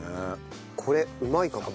これうまいかも。